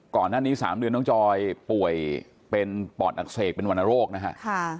ก่อนหน้านี้๓เดือนน้องจอยป่วยเป็นปอดอักเสบเป็นวรรณโรคนะฮะ